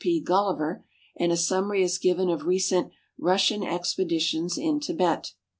P. Gulliver, and a summary is given of recent " Russian Expeditions in. Tibet."